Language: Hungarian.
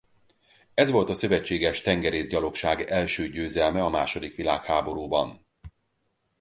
Ez volt a szövetséges tengerészgyalogság első győzelme a második világháborúban.